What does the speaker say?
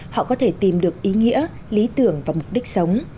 họ có thể tìm được ý nghĩa lý tưởng và mục đích sống